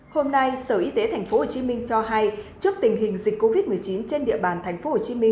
hôm nay sở y tế tp hcm cho hay trước tình hình dịch covid một mươi chín trên địa bàn tp hcm